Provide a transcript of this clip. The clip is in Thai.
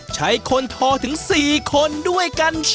ใช้คนทอถึง๔คนด้วยกัน